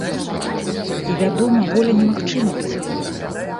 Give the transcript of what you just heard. І, вядома, воля немагчыма без ведаў.